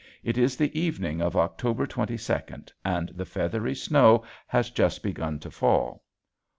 It is the evening of October twenty second and the feathery snow has just begun to fall.